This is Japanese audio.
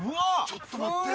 「ちょっと待って」